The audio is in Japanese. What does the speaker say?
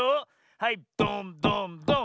はいドンドンドーン。